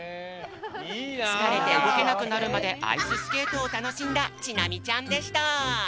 つかれてうごけなくなるまでアイススケートをたのしんだちなみちゃんでした！